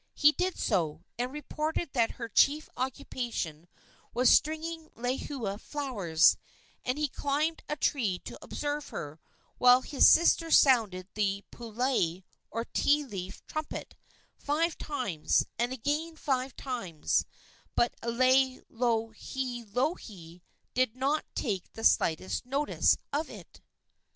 He did so, and reported that her chief occupation was stringing lehua flowers; and he climbed a tree to observe her, while his sister sounded the pulai, or ti leaf trumpet, five times, and again five times; but Laielohelohe did not take the slightest notice of it.